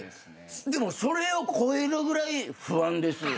でもそれを超えるぐらい不安です。